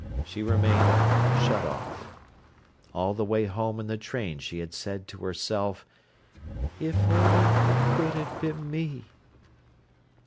She remained shut off. All the way home in the train she had said to herself: "If only it could have been me!"